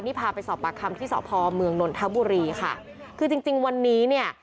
นี่พาไปสอบปากคำที่สพเมืองนนทบุรีค่ะคือจริงจริงวันนี้เนี่ย